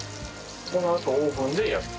このあとオーブンで焼く？